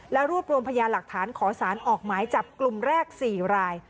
และรวบรวมพยานหลักฐานขอสารออกหมายจับกลุ่มแรก๔ราย